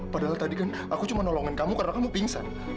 padahal tadi kan aku cuma nolongin kamu karena kamu pingsan